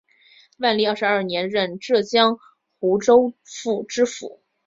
万历二十二年任浙江湖州府知府。